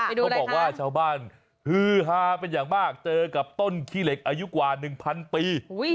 เขาบอกว่าชาวบ้านฮือฮาเป็นอย่างมากเจอกับต้นขี้เหล็กอายุกว่า๑๐๐ปี